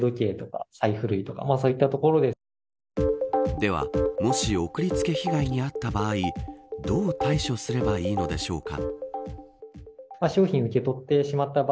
では、もし送り付け被害に遭った場合どう対処すればいいのでしょうか。